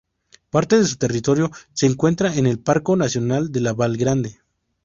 Parte de su territorio se encuentra en el Parco Nacional de Val Grande.